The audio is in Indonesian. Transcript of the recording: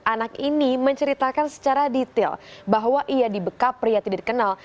anak ini menceritakan secara detail bahwa ia dibekap pria tidak dikenal